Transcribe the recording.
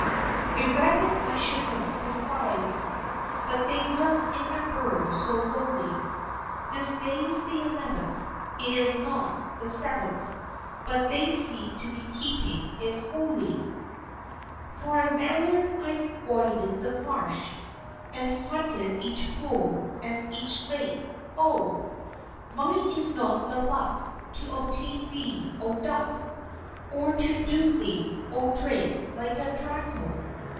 A rabbit I should not despise, But they lurk in their burrows so lowly; This day's the eleventh, It is not the seventh, But they seem to be keeping it hole y. For a mallard I've waded the marsh, And haunted each pool, and each lake oh! Mine is not the luck, To obtain thee, O Duck, Or to doom thee, O Drake, like a Draco!